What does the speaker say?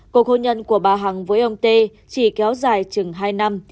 cuộc hôn nhân của bà hằng với ông tê chỉ kéo dài chừng hai năm